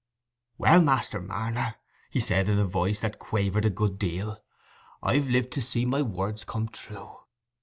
"Well, Master Marner," he said, in a voice that quavered a good deal, "I've lived to see my words come true.